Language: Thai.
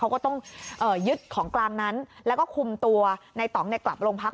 เขาก็ต้องยึดของกลางนั้นแล้วก็คุมตัวในต่องกลับโรงพัก